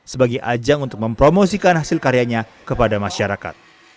sebagai ajang untuk mempromosikan hasil karyanya kepada masyarakat